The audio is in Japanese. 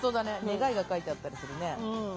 願いが書いてあったりするね。